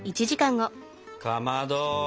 かまど